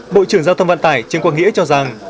bộ trưởng giao thông vận tải trương quang nghĩa cho rằng